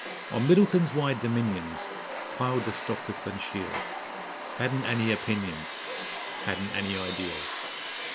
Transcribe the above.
On Middleton's wide dominions Plied the stockwhip and shears; Hadn't any opinions, Hadn't any 'idears'.